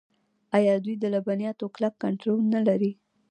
آیا دوی د لبنیاتو کلک کنټرول نلري؟